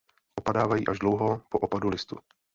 Opadávají až dlouho po opadu listů.